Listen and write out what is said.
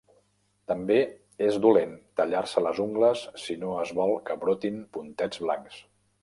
També és dolent tallar-se les ungles si no es vol que brotin puntets blancs.